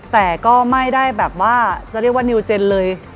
แต่ก็ไม่ได้แบบว่าจะเรียกว่านิวเจนเลย